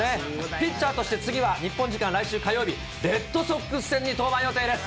ピッチャーとして次は、日本時間来週火曜日、レッドソックス戦に登板予定です。